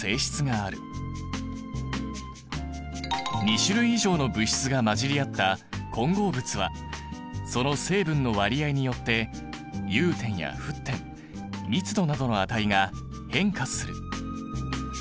２種類以上の物質が混じり合った混合物はその成分の割合によって融点や沸点密度などの値が変化する。